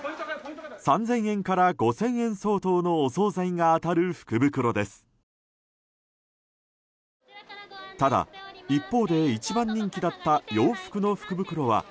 ３０００円から５０００円相当のお総菜が当たる福袋です。